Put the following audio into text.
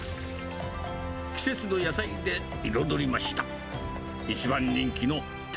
季節の野菜で彩りました。